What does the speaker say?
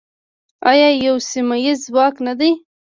آیا یو سیمه ییز ځواک نه دی؟